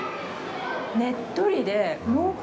ねっとりで、濃厚。